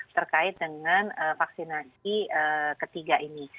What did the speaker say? terkait dengan vaksinasi ketiga ini